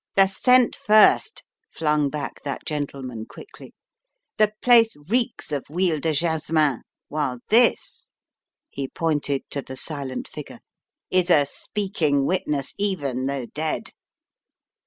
"The scent first," flung back that gentleman quickly. "The place reeks of Huile de jasmin, while this," he pointed to the silent figure, "is a speaking witness, even though dead."